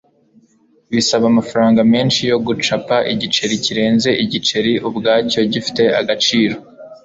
bisaba amafaranga menshi yo gucapa igiceri kirenze igiceri ubwacyo gifite agaciro